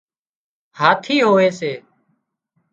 هاٿِي هوئي سي